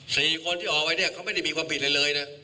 สี่คนที่ออกไปเนี่ยเขาไม่ได้มีความผิดอะไรเลยนะ